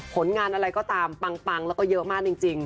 ผลงานอะไรก็ตามปังแล้วก็เยอะมากจริง